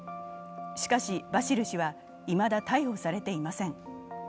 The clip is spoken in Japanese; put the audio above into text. しかし、バシル氏はいまだ逮捕されていません。